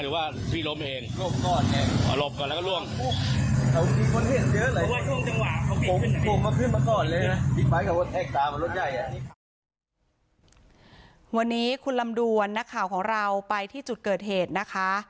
วันนี้คุณลำดวนนักข่าวของเราไปที่จุดเกิดเหตุนะคะ